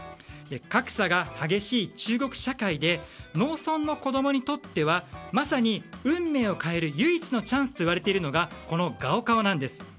格差が激しい中国社会で農村の子供にとってはまさに運命を変える唯一のチャンスといわれているのがこのガオカオなんです。